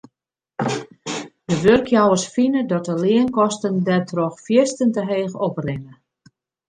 De wurkjouwers fine dat de leankosten dêrtroch fierstente heech oprinne.